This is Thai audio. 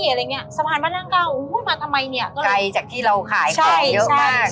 อะไรอย่างเงี้ยสมหารบ้านห้างเกาอุ้ยมาทำไมเนี้ยก็เลยไกลจากที่เราขายของเยอะมาก